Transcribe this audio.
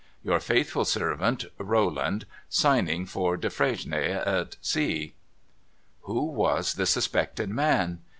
' Your faithful servant, ' Rolland, ' (Signing for Defresnier and C'^')' Who was the suspected man